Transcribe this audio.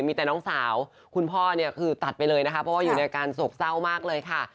มีแต่น้องสาวคุณพ่อเนี่ยคือตัดไปเลยนะคะเพราะว่าอยู่ในอาการโศกเศร้ามากเลยค่ะ